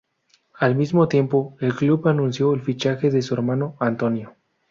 Al mismo tiempo, el club anunció el fichaje de su hermano, Antonio.